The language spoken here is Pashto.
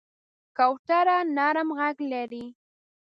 کوتره نرم غږ لري.